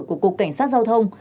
của cục cảnh sát giao thông